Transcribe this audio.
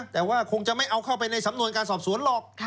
แต่ว่าคงจะไม่เอาเข้าไปในสำนวนการสอบสวนหรอก